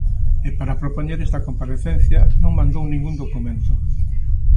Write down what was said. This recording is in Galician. E para propoñer esta comparecencia non mandou ningún documento.